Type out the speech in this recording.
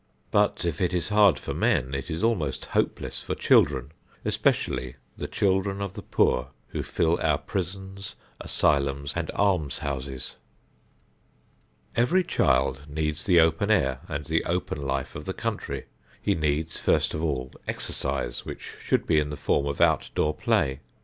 But, if it is hard for men, it is almost hopeless for children, especially the children of the poor who fill our prisons, asylums and almshouses. Every child needs the open air and the open life of the country. He needs, first of all, exercise which should be in the form of outdoor play.